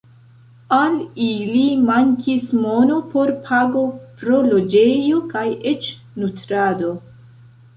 Al ili mankis mono por pago pro loĝejo kaj eĉ nutrado.